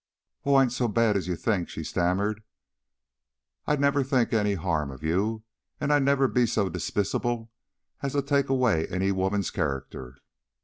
"Oh, I ain't so bad as you think," she stammered. "I'd never think any harm of you, and I'd never be so despisable as to take away any woman's character.